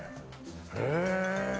へえ。